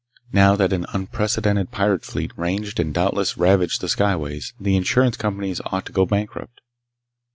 Now that an unprecedented pirate fleet ranged and doubtless ravaged the skyways, the insurance companies ought to go bankrupt.